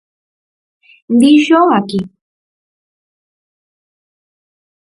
Díxoo aquí.